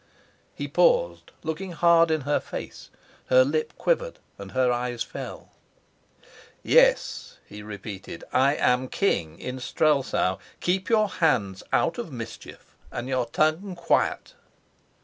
He paused, looking hard in her face. Her lip quivered and her eyes fell. "Yes," he repeated, "I am king in Strelsau. Keep your hands out of mischief and your tongue quiet."